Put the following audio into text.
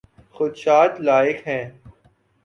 خدشات لاحق ہیں۔